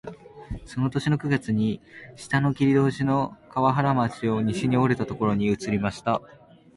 その年の九月に下の切り通しの河原町を西に折れたところに移りました